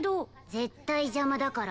絶対邪魔だから。